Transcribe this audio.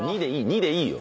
２でいいよ。